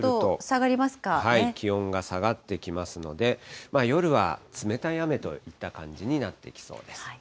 気温が下がってきますので、夜は冷たい雨といった感じになってきそうです。